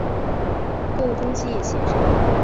购物中心也鲜少。